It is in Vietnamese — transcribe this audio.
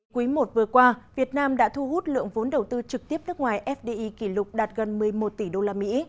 quý i vừa qua việt nam đã thu hút lượng vốn đầu tư trực tiếp nước ngoài fdi kỷ lục đạt gần một mươi một tỷ đô la mỹ